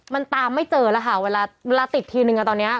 มันตามไม่เจอแล้วค่ะเวลาติดทีนึงตอนนี้